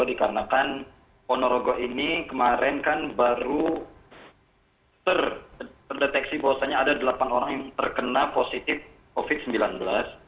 dikarenakan ponorogo ini kemarin kan baru terdeteksi bahwasannya ada delapan orang yang terkena positif covid sembilan belas